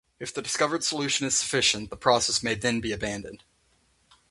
If the discovered solution is sufficient, the process may then be abandoned.